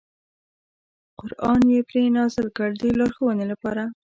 قران یې پرې نازل کړ د لارښوونې لپاره.